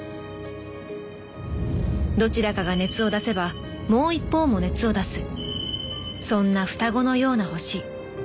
どちらかが熱を出せばもう一方も熱を出すそんな双子のような星。